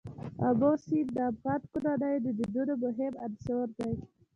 آمو سیند د افغان کورنیو د دودونو مهم عنصر دی.